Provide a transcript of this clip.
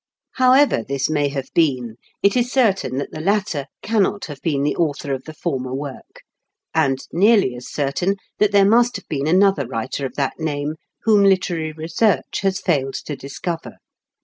However this may have been, it is certain that the latter cannot have been the author of the former work, and nearly as certain that there must have been another writer of that name, whom literary research has failed to discover.